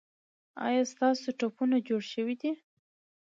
ایا ستاسو ټپونه جوړ شوي دي؟